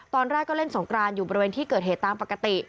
ตอนแรกก็เล่นสงกรานอยู่บริเวณที่เกิดเหตุตามปกติ